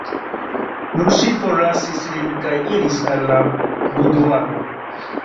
Nun ŝi forlasis lin kaj iris al la buduaro.